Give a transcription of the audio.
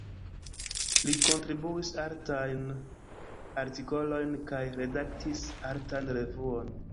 Li kontribuis artajn artikolojn kaj redaktis artan revuon.